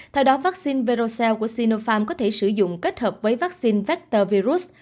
theo đó vaccine verocel của sinopharm có thể sử dụng kết hợp với vaccine vector virus